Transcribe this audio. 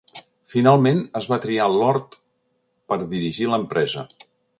Finalment, es va triar a Lord per dirigir l'empresa.